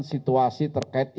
situasi terkait iklim